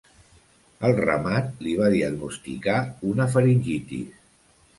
Al remat, li va diagnosticar una faringitis.